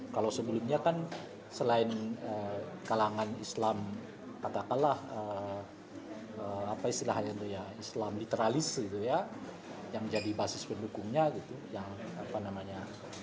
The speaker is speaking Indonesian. kalau sebelumnya kan selain kalangan islam katakanlah apa istilahnya itu ya islam literalis gitu ya yang jadi basis pendukungnya gitu yang apa namanya